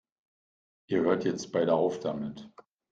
Ihr hört jetzt beide auf damit!